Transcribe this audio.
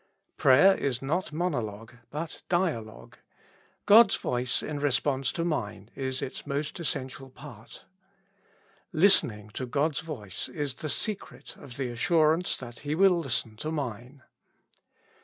Prayer is not mono logue, but dialogue ; God's voice in response to mine is its most essential part. Listening to God's voice is the secret of the assurance that He will listen to mine.